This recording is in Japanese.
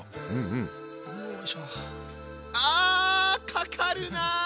かかるな！